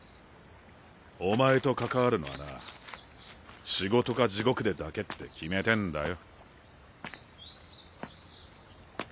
お前と関わるのはな仕事か地獄でだけって決めてんだよ。